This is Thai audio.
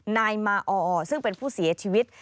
นายมาออซึ่งเป็นผู้เสียชีวิต